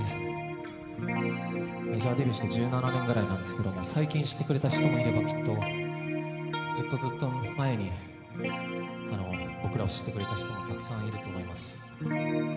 メジャーデビューして１７年くらいなんですけど最近知ってくれた人もいればきっとずっとずっと前に僕らを知ってくれてる人もたくさんいると思います。